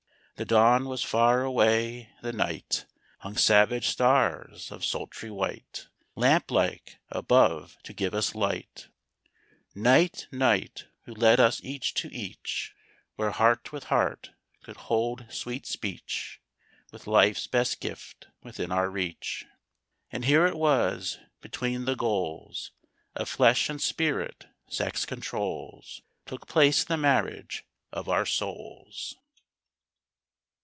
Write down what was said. The dawn was far away: the night Hung savage stars of sultry white, Lamp like, above to give us light. Night, night, who led us each to each, Where heart with heart could hold sweet speech, With life's best gift within our reach. And here it was between the goals Of flesh and spirit, sex controls Took place the marriage of our souls.